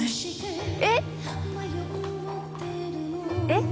えっ？